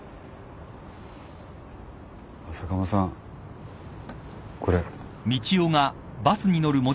坂間さんこれ。